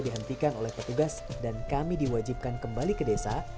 dihentikan oleh petugas dan kami diwajibkan kembali ke desa